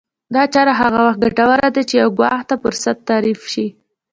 دا چاره هغه وخت ګټوره ده چې يو ګواښ ته فرصت تعريف شي.